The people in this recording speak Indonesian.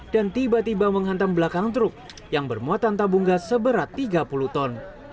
dan tiba tiba menghantam belakang truk yang bermuatan tabungga seberat tiga puluh ton